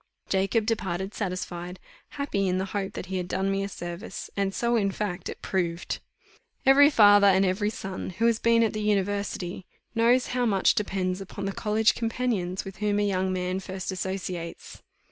Jacob departed satisfied happy in the hope that he had done me a service; and so in fact it proved. Every father, and every son, who has been at the university, knows how much depends upon the college companions with whom a young man first associates.